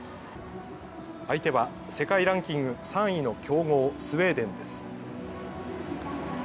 相手は世界ランキング３位の強豪スウェーデンです。